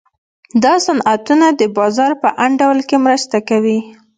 دا صنعتونه د بازار په انډول کې مرسته کوي.